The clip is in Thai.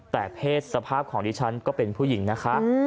แต่เพศสภาพของดิฉันก็เป็นผู้หญิงนะคะ